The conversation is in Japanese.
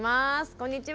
こんにちは。